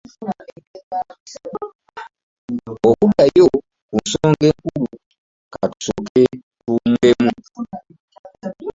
Okuddayo ku nsonga enkulu ka tusooke tuwummulemu.